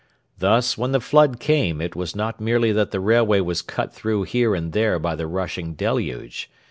Thus, when the flood came, it was not merely that the railway was cut through here and there by the rushing deluge.